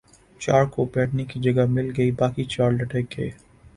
چار کو بیٹھنے کی جگہ مل گئی باقی چار لٹک گئے ۔